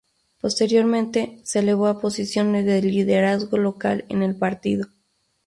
Posteriormente, se elevó a posiciones de liderazgo local en el partido.